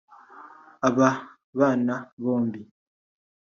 aba bana bombi